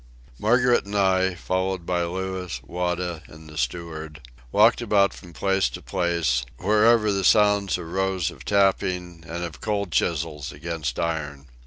Margaret and I, followed by Louis, Wada, and the steward, walked about from place to place, wherever the sounds arose of tappings and of cold chisels against iron.